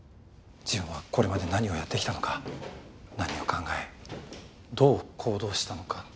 自分はこれまで何をやってきたのか何を考えどう行動したのか。